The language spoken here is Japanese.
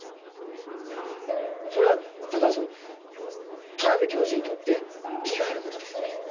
いやそれはただその田邊教授にとって利があることですき。